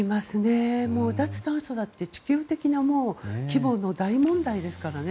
脱炭素だって地球的な規模の大問題ですからね。